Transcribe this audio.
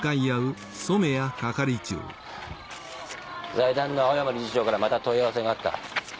財団の青山理事長からまた問い合わせがあった。